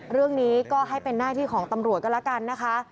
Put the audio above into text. เรื่องนี้ก็ให้เป็นหน้าที่ของตำรวจก็แล้วกันนะคะ